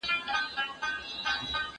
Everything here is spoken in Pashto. سړی په خپلو سپینو جامو کې ډېر ظالم و.